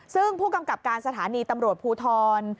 ซึ่งผู้กำกับการสถานีตำรวจภูทร